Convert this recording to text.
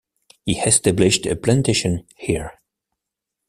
He established a plantation here.